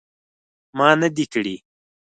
ما نه دي کړي